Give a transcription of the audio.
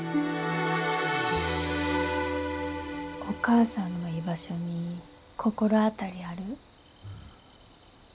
お母さんの居場所に心当たりある？